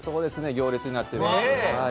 行列になっています。